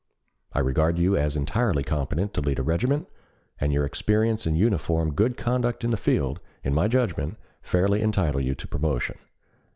I regard you as entirely competent to lead a regiment, and your experience and uniform good conduct in the field, in my judgment, fairly entitle you to promotion.